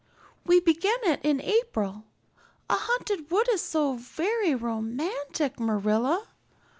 We began it in April. A haunted wood is so very romantic, Marilla.